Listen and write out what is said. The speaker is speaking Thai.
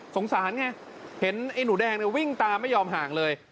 สารไงเห็นไอ้หนูแดงเนี่ยวิ่งตามไม่ยอมห่างเลย